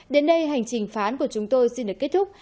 đến đây hành trình phán của chúng tôi xin được kết thúc